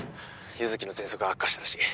優月のぜんそくが悪化したらしい